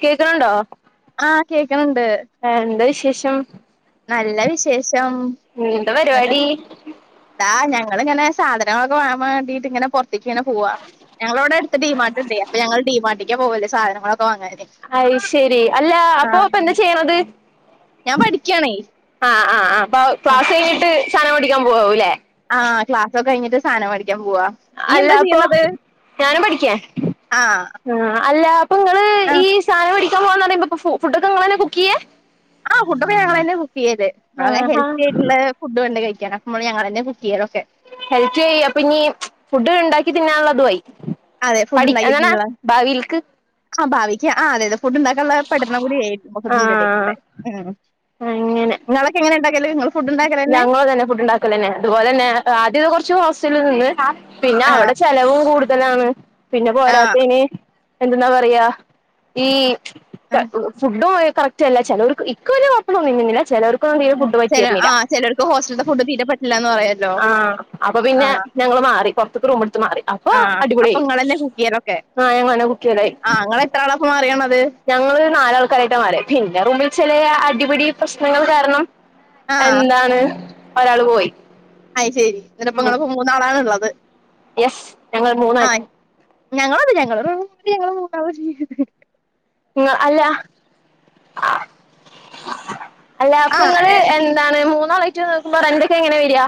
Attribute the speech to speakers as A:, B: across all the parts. A: കേക്കണണ്ടോ
B: ആഹ് കേക്കണണ്ട്
A: എന്താ വിശേഷം
B: നല്ല വിശേഷം
A: എന്താ
B: നല്ല
A: പരിപാടി
B: ഇതാ ഞ ഞങ്ങളിങ്ങനെസാധനങ്ങളൊക്കെ വാങ്ങാം വേണ്ടിട്ട് ഇങ്ങനെ പൊറത്ത് ത്തേക്ക് ഇങ്ങനെ പോവാ ഞങ്ങളടെ അവിടെ അടുത്ത് ഡിമാർട്ടുണ്ട് അപ്പോ ഞങ്ങള് ഡിമാർട്ടിക്കാ പോകല് സാധനങ്ങളൊ
A: അയ് ശരി അല്ല അപ്പോ
B: ആഹ്
A: അപ്പോ എന്താ ചെയ്യണത്
B: ഞാൻ പഠിക്കയാണേ
A: ആ ആ അപ്പോ ക്ലാസ് കഴിഞ്ഞിട്ട് സാധനം മേടിക്കാൻ പോകുവാല്ലേ
B: ആ ക്ലാസ്സൊക്കെ കഴിഞ്ഞിട്ട് സധനംമേടിക്ക ക്കാൻ പോവാ ഈ
A: അല്ല
B: എന്താ
A: അപ്പൊ
B: ചെയ്യുന്നത്
A: ഞാനും പഠിക്കാ
B: ആ
A: ആഹ് അല്ല അപ്പൊ നിങ്ങള്
B: ആ
A: ഈ സാധനം മേടിക്കാൻ പറയുമ്പോ ഫുഡൊക്കെ നിങ്ങളുതന്നെ കുക്ക് ചെയ്യാ
B: ആ ഫുഡൊക്കെ ഞങ്ങൾ തന്നെ കുക്ക് ചെയ്ല് നമ്മള്
A: ആഹാ
B: ഹെൽത്തി ആയിട്ടുള്ള ഫുഡ് വേണ്ടേ കഴിക്കാൻ അപ്പ ഞങ്ങൾ തന്നെ കു
A: ഹെൽപ്ചെയ അപ്പൊ ഇനി ഫുഡ് ഉണ്ടാക്കി തിന്നാനുള്ളതുമായി
B: അതെ
A: പഠ എങ്ങനെ ഭാവിയിൽക്ക്
B: ആ ഭാവിക്ക് ആ അതെ അതെ ഫുഡ്ണ്ടാക്കാനുള്ള പഠന കൂടി ആയി അതിന്റെ ഇടയിൽ
A: ആഹ്
B: കൂടി
A: അങ്ങനെ
B: നിങ്ങളക്കെ എങ്ങനെ ഉണ്ടാക്കല് [unintelligible]
A: ഞങ്ങള് തന്നെ ഫുഡ്ണ്ടാക്കല് തന്നെ അതുപോലെ തന്നെ ആദ്യമക്കെ കുറച്ചു ഹോസ്റ്റലിൽ നിന്ന് പിന്നെ
B: ആഹ്
A: അവിടെ ചെലവും കൂടുതലാണ് പിന്നെ
B: ആഹ്
A: പോരാത്തന് എന്തെന്നാ പറയാ ഈ
B: ആഹ്
A: ഫുഡും കറക്റ്റ് അല്ല ചിലർക്ക് ഇക്ക്വല്യ കുഴപ്പമൊന്നും തോന്നിയില്ല ചിലർക്കൊന്നും തീരെ ഫുഡ് പറ്റിയിരുന്നില്ല
B: ഹോറ്റലിത്തെ ഫുഡ് തീരെ പറ്റില്ല എന്ന് പറയും
A: ആ അപ്പൊ പിന്നെ ഞങ്ങള് മാറി പുറത്തൊക്കെ റു- മാറി അപ്പൊ
B: ആഹ് അപ്പൊ
A: അടിപൊളിയായി
B: ഇങ്ങളെന്നെ കുക്കെയ്യലൊക്കെ
A: ആ ഞങ്ങൾ തന്നെ കുക്ക്‌ ചെയ്യാലായി
B: ആഹ് ഇങ്ങളെത്ര ആളാപ്പൊ മാറിയാണത്
A: ഞങ്ങള് നാലാൾക്കാരായിട്ട് മാറി പിന്നെ റൂമിൽ ചെല അടിപടി പ്രശ്നങ്ങൾ കാരണം എന്താണ് ഒരാള് പോയി
B: അ ശരി ഇന്നരപ്പം
A: ഉം
B: നിങ്ങളിപ്പോ മൂന്നാളാണ് ഉള്ളത്
A: യെസ് ഞങ്ങൾ മൂന്നായി
B: ഞങ്ങളെ ഞങ്ങള റൂമില് മൂന്നാള്
A: ഉം അല്ല അല്ല അപ്പൊ
B: ആഹ്
A: നിങ്ങള് എന്താണ് മൂന്നാളായിട്ട് നിക്കുമ്പോ റെന്റൊക്കെ എങ്ങനെയാ വരിക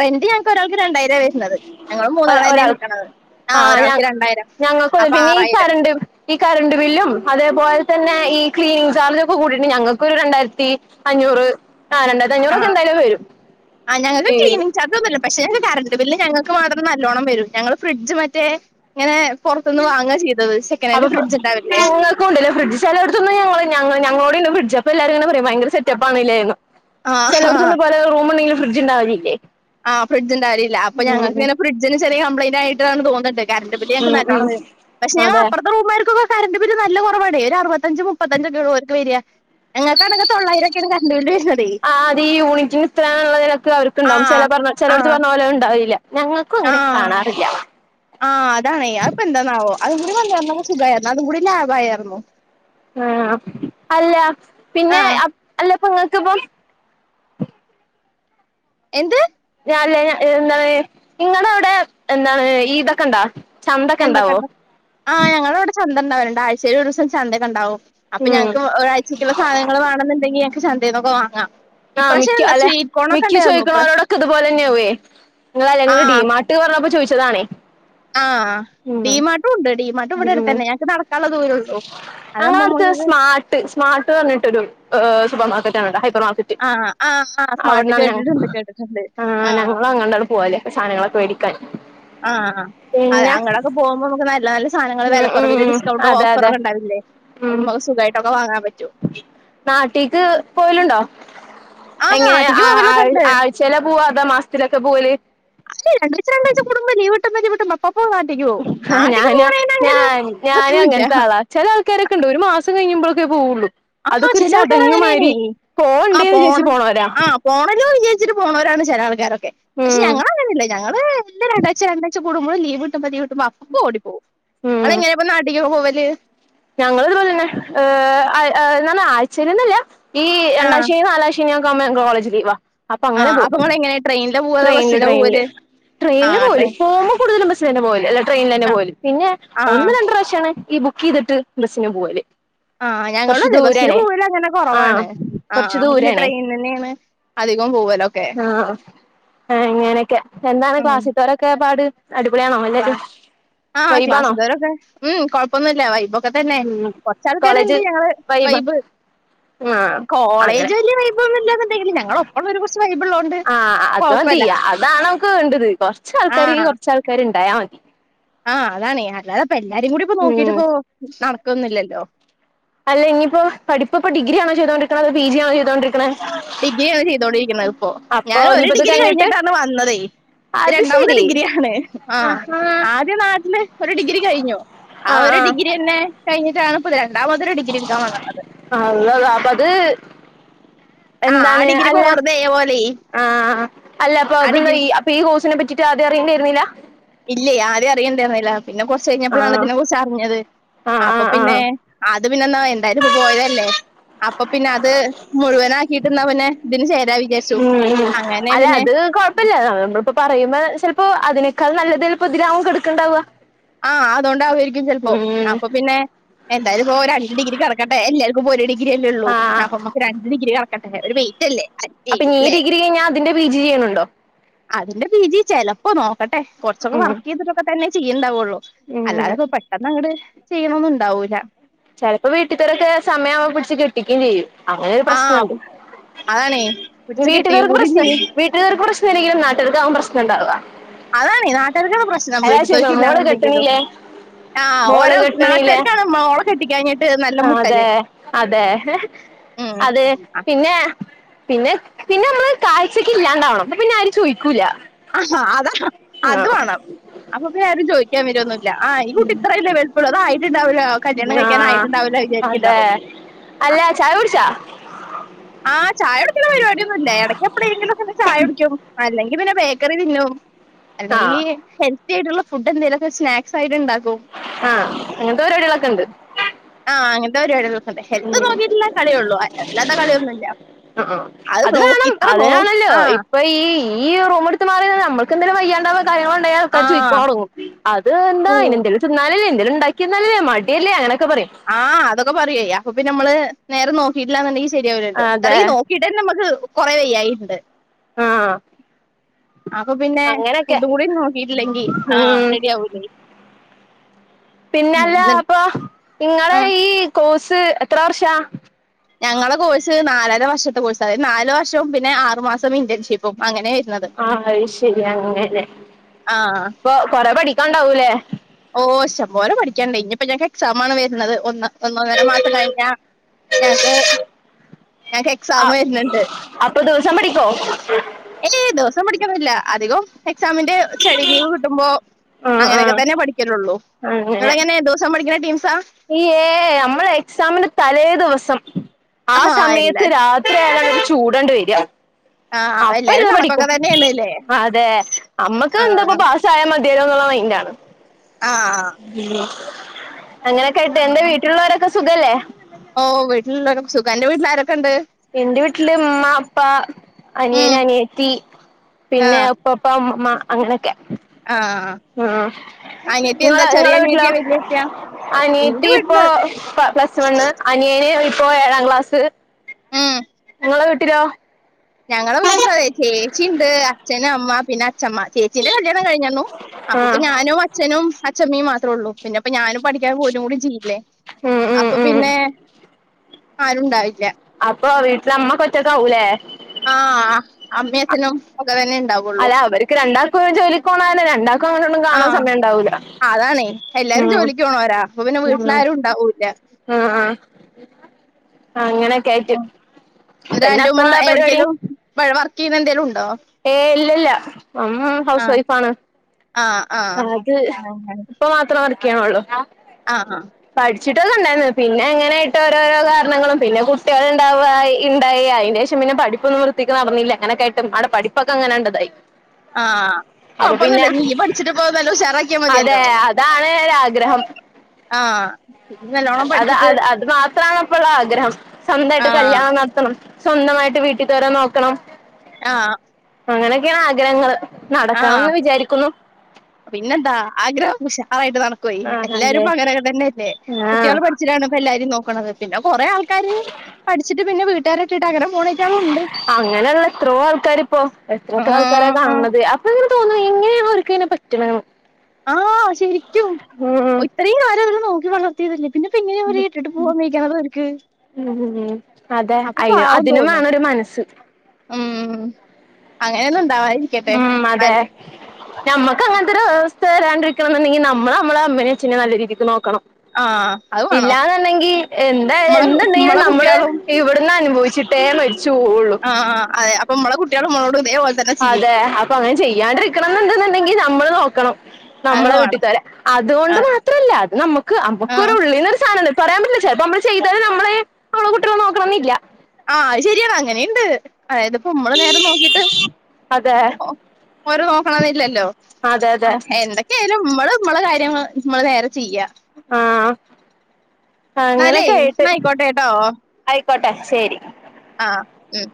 B: റെന്റ് ഞങ്ങക്ക് ഒരാൾക്ക് രണ്ടായിരം വരുന്നത് ഞങ്ങൾ മൂന്നാൾ തന്നെയാണ്
A: ഒരാൾക്ക്
B: നിക്കണത് ആ
A: ആഹ് ഞ
B: ഒരാൾക്ക് രണ്ടായിരം
A: ഞങ്ങൾക്ക
B: അപ്പൊ
A: പിന്നെ ഈ
B: ആറായിരം
A: കറണ്ട് ഈ കറണ്ട് ബില്ലും അതെ അതുപോലെ തന്നെ ഈ ക്ലീനിങ്ങ് ചാർജ് ഒക്കെൂടിയിട്ട് ഞങ്ങൾക്കൊരു രണ്ടായിരത്തി അഞ്ഞൂറ് ആഹ് രണ്ടായിരത്തി
B: ആ
A: അഞ്ഞൂറൊക്കെ എന്തായാലും വരും
B: ആ ഞങ്ങക്ക്
A: ഈ
B: ക്ലീനിക് ചാർജ് ഒന്നൂല്ല പക്ഷെ കറണ്ട് കറണ്ട് ബില്ല് ഞങ്ങൾക്ക് മാത്രം നല്ലോണ്ണം വരും ഞങ്ങൾ ഫ്രിഡ്ജ് മറ്റേ ഇങ്ങനെ പുറത്തുന്ന് വാങ്ങുക ചെയ്തത്
A: അപ്പൊ
B: സെക്കനൻഡ് ഫ്രിഡ്ജ് ഇണ്ടാവില്ലേ
A: ഞങ്ങൾക്കുണ്ടല്ല ഫ്രിഡ്ജ് ചെടുത്ത് ഞങ്ങള് ഞങ്ങളോട് തന്നെ ഫ്രിഡ്ജ് അപ്പ എല്ലാരും ഭയങ്കര സെറ്റപ്പ ആണ് അല്ലേന്ന്
B: ആഹ് ആഹ്
A: ചിലവിടുന്ന് പോലെ റൂമുണ്ടെങ്കിലും ഫ്രിസജ് ഉണ്ടാവലില്ലേ
B: ആ ഫ്രഡജിന്റെ കാര്യല്ല അപ്പ
A: ഉം
B: ഞങ്ങൾക്കങ്ങനെ ഫ്രഡ്ജിന്റെ ചെറിയ കംപ്ലയിന്റ് ആയിട്ടാണ് എന്ന് തോന്നുന്നത് ണ്ട് കറണ്ട് ബില്ല്
A: ഉം
B: ഞങ്ങൾക്ക്
A: ഉം
B: നല്ലോണം
A: ഉം
B: വരുന്നുണ്ട് പക്ഷേ
A: അതെ
B: അപ്പറത്തെ റൂമുകർക്കൊക്കെ കരണ്ട് ബില്ല് നല്ല കുറവാണേ ഒരു അറുപത്തഞ്ചച് മുപ്പത്തഞ്ചൊക്കെ ഓർക്ക് വരിക ഞങ്ങൾക്ക് അണേൽ തൊള്ളായിരൊക്കെയാണ് കണ്ടണ്ട് ബിൽ വരുന്നതേ
A: ആ അത് ഈ യൂണിറ്റിന് ഇത്രന്നുള്ളതൊക്കെ അവർക്കുണ്ടാവും ചില
B: ആഹ്
A: പറഞ്ഞ ചിലോടത്ത്
B: ആഹ്
A: പറഞ്ഞ പോലെ ഉണ്ടാവില്ല ഞങ്ങൾക്കും അങ്ങനെ
B: ആഹ്
A: കാണാറില്ല
B: ആഹ് അതാണേ അത് ഇപ്പോ എന്താന്നാവോ അതും കൂടി വന്നായിരുന്ന സുഖമായിരുന്നു അതും കൂടി ലാഭ ആയിരുന്നു
A: ആ അല്ല പിന്നെ
B: ആഹ്
A: അല്ല അ നിങ്ങക്കിപ്പം
B: എന്ത്
A: ല്ല എന്താണ് ഇങ്ങ അവിടെ എന്താണ് ഈതൊക്കെ ഉണ്ടാ
B: എന്തൊക്കെണ്ട ആ ഞങ്ങടെ ഇവിടെ ചന്ത ഉണ്ടാവുലുണ്ട് ആഴ്ചൽ ഒരു ദിവസം ചന്തൊക്കെ ഉണ്ടാവും അപ്പൊ
A: ഉം
B: ഞങ്ങക്ക് ഒരാഴ്ചയ്ക്കുള്ള സാധനങ്ങൾ വേണന്നുണ്ടെങ്കിൽ ഞങ്ങക്ക് ചന്തയിൽന്നൊക്കെ വാങ്ങാം
A: ആഹ് മിക്ക
B: ഇപ്രാവശ്യം
A: അല്ലെ
B: സ്വീറ്റ് കോണൊക്കെ
A: മിക്കി
B: ഉണ്ടായിരുന്നു
A: ചോദിക്കണോരോടൊക്കെ ഇതുപോലെ തന്നെയാവേ നിങ്ങൾ ആ ഡീമാർട്ട് പറഞ്ഞപ്പോ ചോദിച്ചതാണേ
B: ആ
A: ഉം
B: ഡിമാർട്ടും ഉണ്ട് ഡിമാർട്ട് ഇവിടെ അടുത്തന്നെ ഞങ്ങക്ക് നട
A: ഞങ്ങ അടുത്തെ സ്മാർട്ട് സ്മാർട്ട് പറഞ്ഞിട്ടൊരു സൂപ്പർമാർക്കറ്റ് ആണടാ സൂപ്പർ മാർക്കറ്റ്
B: ആഹ് ആഹ് ആഹ്
A: അവിട
B: സ്മാർട്ട്
A: ഞങ്ങും
B: കേട്ടിട്ടുണ്ട് കേട്ടിട്ടുണ്ട് ആഹ്
A: ഞങ്ങളും അങ്ങട്ടാണ് പോവല് സധനങ്ങളൊക്കെ വേടിക്കാൻ
B: ആഹ് ആ അങ്ങൊടെക്കെ പോകുമ്പോ നമുക്ക് നല്ല നല്ല സാധനങ്ങള്
A: ഉം
B: വില കുറവ
A: ഉം അതെ അതെ
B: ഡിസ്കൗട്‌ഓഫർഒക്കെണ്ടാവില്ലേ
A: ഉം
B: നു സുഖമായിട്ടൊക്കെ വാങ്ങൻ
A: നാട്ടിക്ക് പോവലുണ്ടോ
B: ആഹ്
A: എങ്ങനെ
B: നാട്ടിക്ക്
A: ആ
B: പോവലൊക്കെ ഉണ്ട്
A: ആഴ്ചയില പോവാ മാസത്തിലൊക്കെ പോവല്
B: അത് രണ്ടാഴ്ച രണ്ടാഴ്ച [unintelligible] പോവും
A: ആ
B: നാട്ടിക്ക്
A: ഞനും
B: പോണേന് അങ്ങനെ ഇതൊന്നുല്ല
A: ഞാൻഅങ്ങനത്തെ ആള ചില ആൾക്കാരൊക്കെ ഉണ്ട് ഒരു മാസം കഴിഞ്ഞുമ്പോൾ പോ വള്ളു
B: ആഹ ചില ആൾക്കാര അങ്ങനെയണ ആ
A: പോവണ്ടേന്ന് വിചാരിച്ച്
B: പോണ്
A: പോണോരാ
B: ആ പോണല്ലോ വിജാരി പോവരാണ് ചില ആൾക്കാരൊക്കെ പക്ഷെ
A: ഉം
B: ഞങ്ങളങ്ങനെയല്ല ഞങ്ങള് എല്ല രണ്ട് അഴ്ച്ച രണ്ട് അഴ്ച്ച ഇച്ച്കൂടുമ്പോ ലീവ് കിട്ടുമ്പോ ലാവ് കിട്ടുമ്പോ അപ്പോ ഓടി പോകും ഇങ്ങള്എങ്ങനൊ നടിക്ക് പോവല്
A: ഞങ്ങളതുപോലെ തന്നെ എന്ന ആഴ്ച്ച ല് ഒന്നുല്ല ഈ
B: ആ
A: രണ്ടാശനി നാലാ ശനി [unintelligible] കോളേജ് ലിവാ
B: ആഹ് അപ്പൊ നമ്മെ എങ്ങനെയ ട്രെയിനില പോവല്ലോ ബസ്സില പോവല് ആ
A: ട്രെയിനിൽ പോലും
B: ട്രെയിൻ
A: പോവുമ്പോകൂടുതല് ബസ് തന്നെ പോവല്അല്ല ട്രെയിനിൽ തന്നെ
B: ആ
A: പോലും പിന്നെ
B: ആ
A: ഒന്ന് രണ്ട് പ്രാവശ്യമാണ് ഈ ബുക്ക് ചെയ്തിട്ട് ബസ്സിന് പോവല്ലേ
B: ആഹ ഞങ്ങള അതെ ബസിന് പോവല്ല അങ്ങനെ
A: ആഹ്
B: കുറവാണ് ആ
A: കൊറച്ച്
B: പിന്നെ
A: ദൂരാണേ
B: ട്രെയിൻ തന്നെയാണ് അധി അധികം പോവലൊക്കെ
A: ആഹ് ആഹ് ഇങ്ങനെയെക്കെ എന്താണ്
B: ഉം
A: ക്ലാസ്സിത്തോരൊക്കെ പാട് അടിപൊളിയാണോ എല്ലാരും
B: ആഹ്
A: വൈബാണോ
B: ക്ലാസ്സിത്തൊരൊക്കെ ഉം കൊഴപ്പൊന്നുല്ല വൈബൊക്കെ തന്നെ
A: ഉം
B: കൊറച്ച് ആൾക്കാര്
A: കോളേജ്
B: ഇണ്ട് ഞങ്ങള്
A: വൈബാ
B: വൈബ്
A: ആഹ് അങ്ങനെ
B: കോളേജ് വലിയ വൈബോന്നുല്ലന്നുണ്ടെങ്കിലും ഞങ്ങളോ
A: ആഹ് അത് മതി അതാണ് നമുക്ക് വേണ്ടത് കൊറച്ച് ആൾക്കാരിക്ക് കൊറച്ച് ആൾക്കാര് ഇണ്ടായാ മതി
B: ആഹ് അതാണ് അല്ലാതാപ്പ എല്ലാരും കൂടി ഇപ്പൊ നോക്കിട്ട്
A: ഉം
B: ഇപ്പൊ നടക്കൊന്നില്ലല്ലോ
A: അല്ല ഇനിയിപ്പോ പഠിപ്പ് ഇപ്പൊ ഡിഗ്രി ആണോ ചെയ്തോണ്ടിരിക്കണത് അതോ പി ജി ആണോ ചെയ്തോണ്ടിരി
B: ഡിഗ്രിയാ ആണ് ചെയ്തോണ്ടിരിക്കണത് ഇപ്പോ
A: അപ്പൊ
B: ഞാൻ ഒരു
A: ഇനിയിപ്പോ ഇത്
B: ഡിഗ്രി
A: കഴിഞ്ഞിട്ട്
B: കഴിഞ്ഞിട്ടാണ് വന്നതേ
A: അത്
B: രണ്ടാമത്തെ
A: ശരി
B: ഡിഗ്രി ആണ് ആഹ്
A: ആഹാ
B: ആദ്യ നാട്ടില് ഒരു ഡിഗ്രി കഴിഞ്ഞു ആ
A: ആഹ്
B: ഒരു ഡിഗ്രിയാന്നെ കഴിഞ്ഞിട്ടാണ് ഇപ്പ രണ്ടാമതൊരു ഡിഗ്രി എടുക്കാൻ വന്നത്
A: [unintelligible] അപ്പ അത്
B: ആഹ് ആ
A: എന്താണ്
B: ഡിഗ്രി ഇപ്പോ
A: അല്ല
B: വെറുതെ പോലേ
A: ആഹ് അല്ല അപ്പൊ
B: ആ
A: അതൊന്നും
B: ഡിഗ്രി
A: അപ്പൊ ഈ കോഴ്സിനെ പറ്റിട്ട് ആദ്യം അറിയേണ്ടിയിരുന്നില്ല
B: ഇല്ലേ ആദ്യം അറിയണ്ടര്ന്നില്ല പിന്നെ കുറച്ച് കഴിഞ്ഞപ്പോളാണ്
A: ആഹ്
B: ഇതിനെ കുറിച്ച് അറിഞ്ഞത്
A: ആഹ്
B: അപ്പൊ
A: ആഹ്
B: പിന്നെ
A: ആഹ്
B: ആ പിന്നെ എന്നാ വേണ്ട ഇതിപ്പോ പോയതല്ലേ അപ്പൊ പിന്നെ അത് മുഴുവൻ ആക്കിട്ട്ന്നാ പിന്നെ ഇതിന് ചേർ
A: ഉം ഉം അല്ല അത് കൊഴപ്പില്ല നമ്മളിപ്പോ പറയുമ്പോ ചിലപ്പോ അതിന് ക്കാൾ നല്ലത് ചിലപ്പോ ഇതിലാവും കിടക്കുണ്ടാവ
B: ആഹ് അതുകൊണ്ട് ആവുവായിരിക്കും ചിലപ്പോ അപ്പൊ പിന്നെ എന്തായാലും ഇപ്പൊ രണ്ട് ഡിഗ്രി കിടക്കട്ടെ എല്ല ക്കും ഇപ്പോ ഒരു ഡിഗ്രിയല്ലേ ഉള്ളൂ
A: ആഹ്
B: അപ്പൊമ്മക്ക് രണ്ട് ഡിഗ്രി കടക്കട്ടെ ഒരു വെയ്റ്റ് അല്ലേ അല്ലേ
A: അപ്പൊ ഇനി ഈ
B: അല്ലേ.
A: ഡിഗ്രി കഴിഞ്ഞാൽ അതിന്റെ പി ജി ചെയ്യണുണ്ടോ
B: അതിന്റെ പീ ജി ചെലപ്പോ നോക്കട്ടെ കുറച്ചൊക്കെ
A: ഉം
B: വർക്ക് ചെയ്തിട്ടൊക്കെ തന്നെ ചെയ്യേണ്ടാവുള്ളൂ ളു അല്ലാതെ
A: ഉം
B: ഇപ്പൊ പെട്ടെന്ന് അങ്ങട് ചെയ്യണൊന്നും ഇണ്ടാവൂല
A: ചിലപ്പോ വീട്ടിൽത്തൊരൊക്കെ സമയം ആവുമ്പോ പിടിച്ച് കെട്ടിക്കുകയും ചെയ്യും അങ്ങനെ ഒരു പ്രേശ്നണ്ട്
B: ആഹ് അതാണേ പിടിച്ച് കെട്ടിയും
A: വീട്ടുകാർക്ക്
B: കൂടി
A: പ്രശ്നം
B: ചെയ്യും
A: വീട്ടുകാർക്ക് പ്രശ്നംല്ലെങ്കിലും നാട്ടുകാർക്ക് ആവും പ്രശ്നംണ്ടാവ
B: അതാണ് നാട്ടാർക്കണ് പ്രശ്നം വീട്ടത്തൊരിക്ക്
A: ചോദിക്കും മോള്
B: ഇല്ലാന്ന്ണ്ടെങ്കിലും
A: കെട്ടണില്ലേ
B: ആഹ്
A: മോള്
B: ഓരോ
A: കെട്ടണില്ലേ
B: നാട്ടുകാർക്കാണ് മോളെ കെട്ടി
A: അതെ അതെ
B: ഉം
A: അതെ പിന്നെ പിന്നെ പിന്നെ നമ്മള് കാഴ്ചക്ക് ഇല്ലാണ്ടാവണം പിന്നെ ആരും ചോദിക്കൂല
B: ആഹ് അത അത്
A: ആഹ്
B: വേണം അപ്പൊ പിന്നെ അരും ചോദിക്കാൻ വരൊന്നുല്ല ആഹ് ഈ കുട്ടി ഇത്ര വലിയ വലിപ്പള്ളതായി യിട്ടിണ്ടാവില്ല കല്യാണം കഴിക്കാൻ
A: ആഹ്
B: ആയിട്ടിണ്ടാവില്ല
A: അതെ
B: വിചാരിക്കണ്ടാവും ആഹ്
A: അല്ല ചായ കുടിച്ചാ
B: ആഹ് ചായ കുടിക്കുന്ന പരിപാടി ഒന്നും ഇല്ല ഇടയ്ക്ക് എപ്പളെങ്കിലും ഒക്കെ ഒരു ചായ കുടിക്കും അല്ലെങ്കി ങ്കിപിന്നെ ബേക്കറി തിന്നും
A: ആഹ്
B: അല്ലെങ്കിൽ ഹെൽത്തി ആയിട്ടുള്ള ഫുഡ് എന്തെലും സ്നാക്സ് ആയിട്ട് ഉണ്ടാക്കു
A: ആഹ് അങ്ങനത്തെ പരിപടികളൊക്കെ ഇണ്ട്
B: ത്ത പരിപാടികളൊക്കെണ്ട് ഹെൽത്ത് നോക്കിട്ടുള്ള കളിയെ ഒള്ളൂ അൽ അല്ലാത്ത കളിയൊന്നും
A: ആഹ് ആഹ് അത് വേണം
B: നോ
A: അതിനാണല്ലോ
B: ആ
A: ഇപ്പൊ ഈ ഈ റൂമെടുത്ത് മാറി നിന്ന് നമ്മക്ക് എന്തെങ്കും വയ്യാണ്ടാവാ കാര്യങ്ങളൊണ്ടായാൽ
B: ആ
A: ആൾക്കാര് ചോദിക്കോടങ്ങും അത് ന്താ
B: ട്രൂ
A: അയിനെന്തേലും തിന്നലല്ലേ ന്തേലും ഇണ്ടാക്കി എന്നാലല്ലേ മടിയല്ലേ അങ്ങനെ
B: ആഹ് അതൊക്കെ പറയുവെ അപ്പൊ പിന്നാ മ്മള് നേരെ നോക്കീട്ടില്ലാന്ന്ണ്ടെങ്കി ശരിയാവൂലല്ലോ
A: അതെ
B: ഇത്തറയും നോക്കീട്ടന്നെ മ്മക്ക് കൊറെ വയ്യായ്കേണ്ട്
A: ആഹ്
B: അപ്പൊ പിന്നെ ഫുഡും കൂടി നോക്കിട്ടില്ലെങ്കി ആഹ്
A: ഉം
B: റെഡി ആവൂലേ
A: പിന്നല്ല
B: ന്ന്
A: അപ്പൊ ഇങ്ങളെ
B: ആഹ്
A: ഈ കോഴ്സ് എത്ര വർഷാ
B: ഞങ്ങളെ കോഴ്സ് നാലര വർഷത്തെ കോഴ്സ്സാ അതായത് നാല് വർഷവും പിന്നെ ആറു മാസം ഇന്റേൺഷിപ്പും അങ്ങനാ വര്
A: ആഹ് അയ്ശരി അങ്ങനെ
B: ആഹ്
A: പ്പൊ കൊറെ പഠിക്കാണ്ടാവൂലേ
B: ഓ ഇശ്ശംപോലെ പഠിക്കാണ്ടായ് ഇനിയിപ്പോ ഞങ്ങക്ക് എക്സാം ആണ് വരുന്നത് ഒന്ന് ഒന്നൊന്നര മാസം കയ്ഞ്ഞാ ഞാക്ക് ഞങ്ങക്ക്
A: ആ
B: എക്സാമ് വരുന്നുണ്ട്
A: അപ്പൊ ദിവസം പഠിക്കോ
B: ഏയ് ദെവസം പഠിക്കാൻ പറ്റില്ല അധികോം എക്സാമിന്റെ സ്റ്റഡി ലീവ് കിട്ടുമ്പോ
A: ആ ആ
B: അങ്ങനെയൊക്കെത്തന്നെ പഠി ത്തൊള്ളൂ ങ്ങളെങ്ങനെ രണ്ട് ദോസോം പഠിക്കണ ടീംസാ
A: യ് ഏ അമ്മള് എക്സാമിന് തലേ ദിവസം ആ
B: ആഹ്
A: സമയത്ത്
B: എല്ലാ
A: രാത്രിയായാലാണ് ചൂടണ്ട് വരുക
B: ആഹ്
A: അപ്പ
B: എല്ലാരും
A: ഇരുന്ന് പഠിക്കും
B: കണക്കൊക്കെ തന്നെയാണ് ല്ലേ
A: അതെ അമ്മക്ക് എന്താപ്പ
B: ആഹ്
A: പാസ്സായാ മത് തിയല്ലോന്നൊള്ള മൈൻ്റാണ്
B: ആഹ്
A: അങ്ങനൊക്കെ ആയ്ട്ട് എന്തേ വീട്ടുള്ളവരൊക്കെ സുഖല്ലേ
B: ഓ വീട്ടിലുള്ളൊരോക്കെ സുഖാന്റെ വീട്ടിലാര്
A: ഇൻ്റെ വീട്ടില് ഉമ്മ, അപ്പ, അനിയന്,
B: ഉം
A: അനിയത്തി പിന്നെ
B: ആഹ്
A: ഉപ്പപ്പ ഉമ്മ്മ്മ അങ്ങനൊക്കെ
B: ആഹ്
A: ആ
B: അനിയത്തി എന്താ
A: ഇങ്ങളെ ഇങ്ങള
B: ചെറിയ
A: വീട്ടിലോ
B: അനിയത്തിയാ വല്യത്തിയാ ഇന്റെ
A: അനീത്തിപ്പോ
B: വീട്ടില്
A: പ പ്ലസ് വണ്ണ് അനിയന് പ്പോ ഏഴാം ക്ലാസ്സ് ങ്ങളെ വീട്ടിലോ
B: ഞങ്ങള് മൂന്ന് ചേച്ചീണ്ട് അച്ഛനമ്മ പിന്നെ അച്ചമ്മ. ചേച്ചീന്റെ കല്യാണം കഴിഞ്ഞന്നു അപ്പപ്പൊ
A: ആഹ്
B: ഞാനും അച്ഛനും അഛമ്മയും മാ ത്രോള്ളൂ പിന്നെപ്പ ഞാനും പഠിക്കാൻ പോരുംകൂടി ചെയ്യില്ലേ
A: ഉം ഉം ഉം
B: അപ്പൊപ്പിന്നെ ആരുണ്ടാവില്ല
A: അപ്പൊ വീട്ട്ലമ്മ കൊച്ചക്കാവൂലേ
B: ആഹ് അമ്മേഅച്ഛനും
A: അല്ല അവരിക്ക് രണ്ടാൾക്കും ജോലിക്കോണകാണം രണ്ടാൾക്കും അങ്ങനൊന്നും കാണാ
B: ആഹ്
A: സമയൊണ്ടാവൂല
B: അതാണേ എല്ലാരും ജോലിക്ക് പോണോരാ അപ്പൊ പിന്നെ വീട്ട്ലാരും ഉണ്ടാവൂല
A: ആഹ് ആഹ് അങ്ങനെക്കെ ആയിറ്റ്
B: എന്താ എൻ്റുമ്മ എവിടെക്കേലും വ വർക്ക് ചെയ്യുന്ന എന്തേലും ഉ
A: ഏ ഇല്ലില്ല അം ഹൗസ്
B: ആഹ്
A: വൈഫാണ്
B: ആഹ് ആഹ്
A: ആത് ഇപ്പ മാത്രം വർക്കെയ്യണോള്ളൂ
B: ആഹ് ആഹ്
A: ച്ചിട്ടത് കണ്ടാരുന്നു പിന്നെ എങ്ങനെയിട്ട് ഓരോരോ കാരണങ്ങളും പിന്നെ കുട്ടികൾഇണ്ടാവായി അതിനു ശേഷം പിന്നെ പഠിപ്പൊന്നും വൃത്തിക്ക് നടന്നയില്ല അങ്ങനൊക്കെആയ്ട്ടും ആൾടെ പഠിപ്പൊക്കെ അങ്ങനെണ്ടതായി
B: ആഹ് കോഴപ്പൊന്നുല്ല നീയ്യ് പഠിച്ചിട്ടിപ്പോ നല്ലുഷാറാക്കിയാ മതിയല്ലോ
A: അതെ അതാണ് ഒരാഗ്രഹം
B: ആഹ് നല്ലോണം പഠിച്ചിട്ട്
A: അത്രാണിപ്പൊള്ള ആഗ്രഹം സ്വന്തായിട്ട്
B: ആഹ്
A: കല്യാണം നടത്തണം സ്വന്തമായിട്ട് വീട്ടീത്തോരെ നോക്കണം
B: ആഹ്
A: അങ്ങനെയൊക്കെയാണ് ആഗ്രഹങ്ങള്
B: ആഹ്
A: നടക്കണംന്ന് വിചാരിക്കുന്നു
B: ൻ്റനടക്കുഅയ്ന്
A: ആഹ് അതെ
B: എല്ലാരുപ്പങ്ങനൊക്കെത്തന്നെയല്ലേ
A: ആഹ്
B: കുട്ടികാള് പഠിച്ചിട്ടാണ് ഇപ്പ എല്ലാരും നോക്കണത് പിന്ന കൊറെ ആൾക്കാര് പഠിച്ചിട്ട് പിന്നെ വീട്ട
A: അങ്ങനെള്ള എത്രോ ആൾക്കാരിപ്പോ എത്ര എത്ര ആൾക്കാരാ കാണ്
B: ആഹ്
A: ണത് അപ്പൊ എങ്ങനെ തോന്നും എങ്ങനെയാണ് ഓർക്ക് ങ്ങനെ പറ്റ്ണത്
B: ആഹ ശരിക്കും
A: ഉം
B: ഇത്രയും കാലം അതില് നോക്കി വളർത്തിയതല്ലേ പിന്നെ ഇപ്പൊ ഇങ്ങനെ അവര് ഇട്ടിട്ട് പോവാൻ വൈകാത അവർക്ക്
A: ഉം അതെ
B: അപ്പൊ
A: അ
B: പാവം
A: അതിനു
B: തോന്നും
A: വേണം ഒരു മനസ്സ്
B: ഉം അങ്ങനെന്ന
A: ഉം അതെ നമ്മക്കങ്ങ ഒര വസ്ഥ വരാണ്ടരിക്കണംന്നു ണ്ടങ്കിൽ നമ്മള് നമ്മളെ അമ്മനെ അച്ഛനെ നല്ല രീതിക്ക് നോക്കണം
B: ആഹ
A: ഇല്ലാന്നുണ്ടെങ്കിൽ എന്തായാലും എന്തുണ്ടെങ്കിലും
B: നമ്മളെ
A: നമ്മള്
B: കുട്ടികളും
A: ഇവിടന്ന് അനുഭവിച്ചിട്ടേ മരിച്ചു പോവു
B: ആഹ് ആ അതെ അപ്പൊ മമ്മളെ കുട്ടികള് മ്മളോട്
A: അതെ അപ്പൊ അങ്ങനെ ചെയ്യാണ്ടിരിക്കണംന്ന് ണ്ടെങ്കിൽ നമ്മള് നോക്കണം
B: അത്
A: നമ്മളെ
B: വേണം
A: വീട്ടിത്തോരെ അതുകൊണ്ട്
B: ആഹ്
A: മാത്രല്ല അത് നമ്മുക്ക് നമ്മുക്ക്
B: ആഹ്
A: ഉള്ളിലൊരു സാധനണ്ട് പറയാൻ പറ്റി ചെലപ്പം നമ്മള് ചെയ്താല് നമ്മളെ നമ്മളെ കുട്ടിള് നോക്കണം എന്നില്ല
B: ആഹ അത് ശരിയാണ് അങ്ങനെണ്ട് അതായത്പ്പോ മ്മള് നേരനോക്കീട്ട്
A: അതെ
B: ഓ ഓ നോക്കണന്നില്ലല്ലോ
A: അതെ അതെ
B: എന്തൊക്കെ ആയാലും മ്മള് മ്മളെ കാര്യങ്ങൾ മ്മള് നേരെ ചെയ്യ
A: ആഹ്
B: നാല്ലേ നയ്ക്കോട്ടെ ട്ടോ
A: കോട്ടെ ശരി
B: ആ ഉം